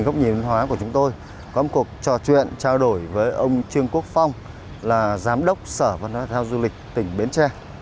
có một cuộc trò chuyện trao đổi với ông trương quốc phong là giám đốc sở văn hóa thao du lịch tỉnh miến tre